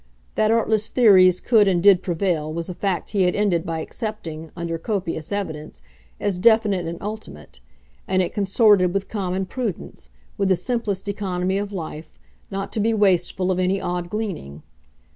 That artless theories could and did prevail was a fact he had ended by accepting, under copious evidence, as definite and ultimate; and it consorted with common prudence, with the simplest economy of life, not to be wasteful of any odd gleaning.